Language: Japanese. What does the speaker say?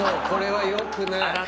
これはよくない。